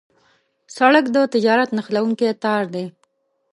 سړک د تجارت نښلونکی تار دی.